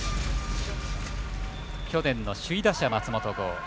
去年の首位打者、松本剛。